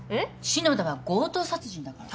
篠田は強盗殺人だから。